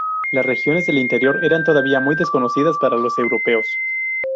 Las regiones del interior eran todavía muy desconocidas para los europeos.